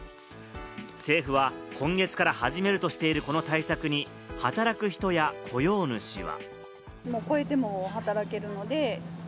政府は今月から始めるとしている、この対策に働く人や雇用主は。